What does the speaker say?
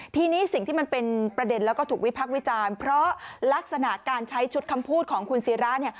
ทีนี้สิ่งที่มันเป็นประเด็นแล้วก็ถูกวิพักษ์วิจารณ์เพราะลักษณะการใช้ชุดคำพูดของคุณศิราเนี่ย